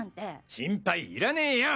心配いらねよ。